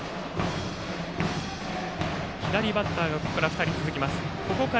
左バッターがここから２人続きます。